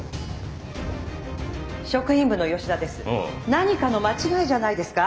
何かの間違いじゃないですか。